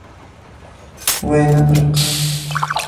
Wê nebiriqand.